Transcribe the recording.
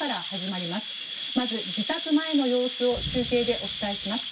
まず、自宅前の様子を中継でお伝えします。